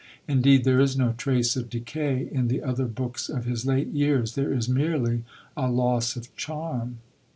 Indeed, there is no trace of decay in the other books of his late years; there is merely a loss of charm.